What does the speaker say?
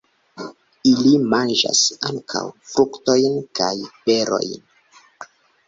Ili manĝas ankaŭ fruktojn kaj berojn.